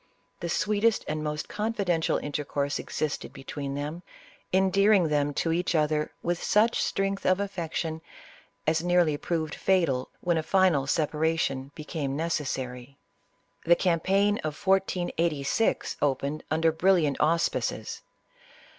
The sweetest and most confidential intercourse existed between them, endearing them to ISABELLA OF CASTILE. 97 each other with such strength of affection as nearly proved fatal when a final separation became necessary. The campaign of 1486 opened under brilliant aus pices.